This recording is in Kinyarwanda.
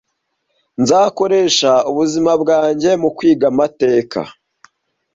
Nzakoresha ubuzima bwanjye mukwiga amateka